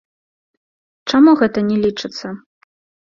Чаму гэта не лічыцца?